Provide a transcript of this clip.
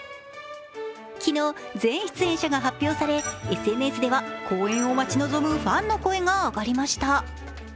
昨日、全出演者が発表され、ＳＮＳでは公演を待ち望むファンの声が上がりました。